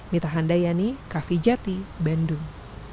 mita handayani kavijati bandung